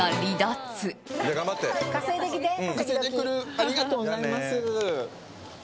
ありがとうございます。